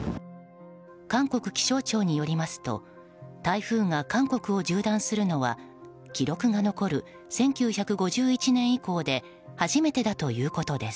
韓国気象庁によりますと台風が韓国を縦断するのは記録が残る１９５１年以降で初めてだということです。